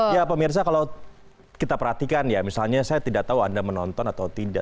ya pemirsa kalau kita perhatikan ya misalnya saya tidak tahu anda menonton atau tidak